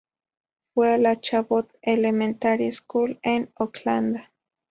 Fue a la Chabot Elementary School en Oakland.